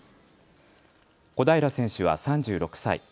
小平選手は３６歳。